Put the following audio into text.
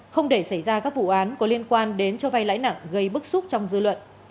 không để xảy ra các vụ án có liên quan đến cho vay lãi nặng gây bức xúc trong dư luận